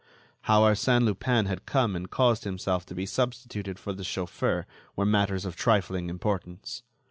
How Arsène Lupin had come and caused himself to be substituted for the chauffeur were matters of trifling importance.